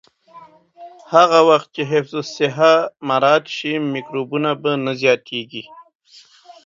هغه وخت چې حفظ الصحه مراعت شي، میکروبونه به نه زیاتېږي.